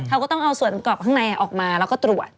เขาก็ต้องเอาส่วนกรอบข้างในออกมาแล้วก็ตรวจ